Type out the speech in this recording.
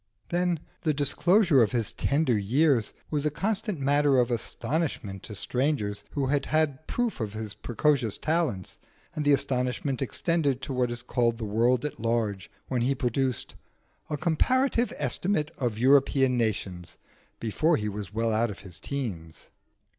Then, the disclosure of his tender years was a constant matter of astonishment to strangers who had had proof of his precocious talents, and the astonishment extended to what is called the world at large when he produced 'A Comparative Estimate of European Nations' before he was well out of his teens.